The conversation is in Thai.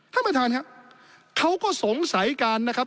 ท่านประธานครับเขาก็สงสัยกันนะครับ